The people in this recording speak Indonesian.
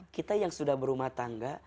kita yang sudah berumah tangga